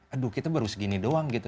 aduh kita baru segini doang gitu